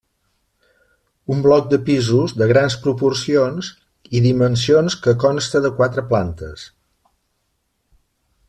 Un bloc de pisos de grans proporcions i dimensions que consta de quatre plantes.